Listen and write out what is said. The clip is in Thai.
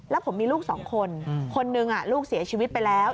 แล้วผมมีลูกสองคนคนหนึ่งลูกเสียชีวิตไปแล้ว